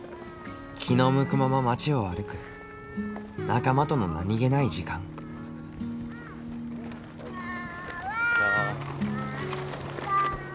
気の向くまま町を歩く仲間との何気ない時間。わわ。